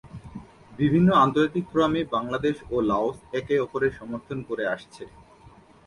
বিভিন্ন আন্তর্জাতিক ফোরামে বাংলাদেশ ও লাওস একে অপরের সমর্থন করে আসছে।